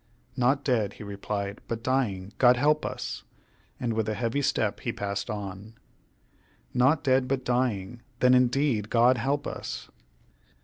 "Not dead," he replied, "but dying. God help us!" and with a heavy step he passed on. "Not dead, but dying! then indeed God help us!"